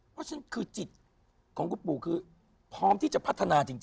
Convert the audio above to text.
เพราะฉะนั้นคือจิตของคุณปู่คือพร้อมที่จะพัฒนาจริง